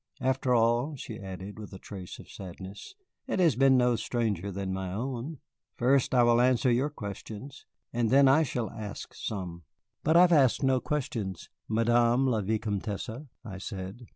After all," she added with a trace of sadness, "it has been no stranger than my own. First I will answer your questions, and then I shall ask some." "But I have asked no questions, Madame la Vicomtesse," I said.